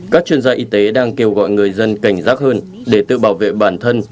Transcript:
các chuyên gia y tế đang kêu gọi người dân cảnh giác hơn để tự bảo vệ bản thân